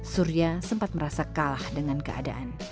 surya sempat merasa kalah dengan keadaan